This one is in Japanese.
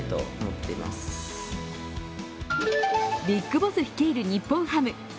ビッグボス率いる日本ハム。